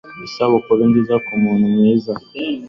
Isabukuru nziza kumuntu mwiza